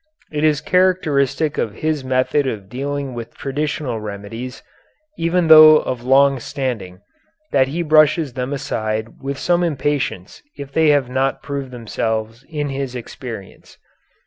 It is characteristic of his method of dealing with traditional remedies, even though of long standing, that he brushes them aside with some impatience if they have not proved themselves in his experience.